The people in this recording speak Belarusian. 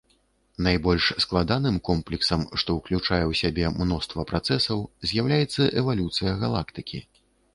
Найбольш складаным комплексам, што ўключае ў сябе мноства працэсаў, з'яўляецца эвалюцыя галактыкі.